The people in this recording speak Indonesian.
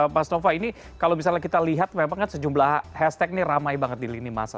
mas nova ini kalau misalnya kita lihat memang kan sejumlah hashtag ini ramai banget di lini masa